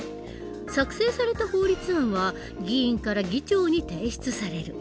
作成された法律案は議員から議長に提出される。